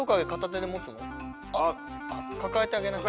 抱えてあげなきゃ。